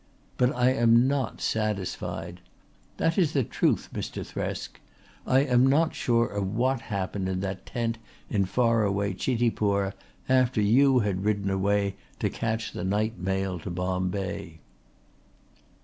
But I am not satisfied. That is the truth, Mr. Thresk. I am not sure of what happened in that tent in far away Chitipur after you had ridden away to catch the night mail to Bombay."